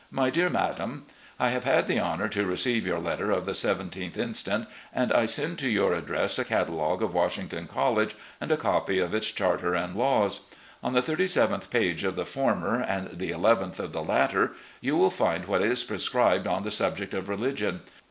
"My Dear Madam: I have had the honour to receive your letter of the 17th inst., and I send to your address a catalogue of Washington College and a copy of its charter and laws. On the thirty seventh page of the former, and the eleventh of the latter, you will find what is prescribed on the subject of religion.